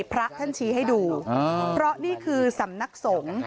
พระท่านชี้ให้ดูเพราะนี่คือสำนักสงฆ์